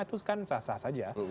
itu kan sah sah saja